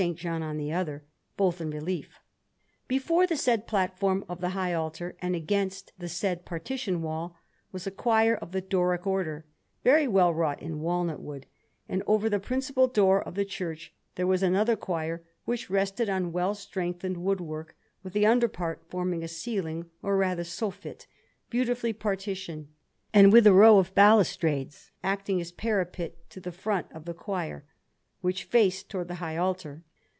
John on the other, both in relief. Before the said platform of the high altar, and against the said partition wall, was a choir of the Doric Order, very well wrought in walnut wood; and over the principal door of the church there was another choir, which rested on well strengthened woodwork, with the under part forming a ceiling, or rather soffit, beautifully partitioned, and with a row of balusters acting as parapet to the front of the choir, which faced towards the high altar.